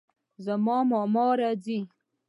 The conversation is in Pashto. زما ماما راځي